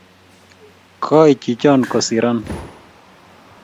Koi chichon kosiron